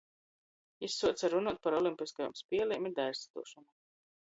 Jis suoce runuot par olimpiskajom spēlem i dailsliduošonu.